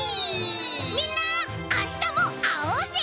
みんなあしたもあおうぜ！